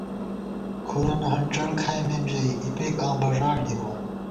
کُھرَنہ ہنڄڑ کھائیمېم ژَئی، اِپېک آں بݫاڑ دِی بوم